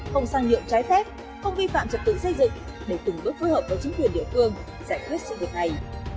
không sang nhượng trái phép không vi phạm trật tự xây dựng để từng bước phối hợp với chính quyền địa phương giải quyết sự việc này